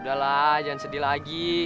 udahlah jangan sedih lagi